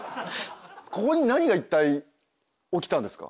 ここに何がいったい起きたんですか？